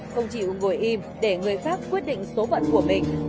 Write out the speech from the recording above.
không chỉ ngồi im để người pháp quyết định số vận của mình